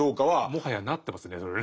もはやなってますねそれ。